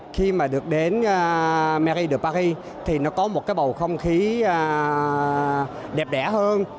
khi mà được đến marie de paris thì nó có một cái bầu không khí đẹp đẻ hơn